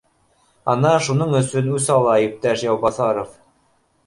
Ана шуның өсөн үс ала иптәш Яубаҫаров